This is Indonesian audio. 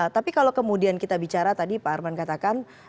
tapi kalau kemudian kita bicara tadi pak arman katakan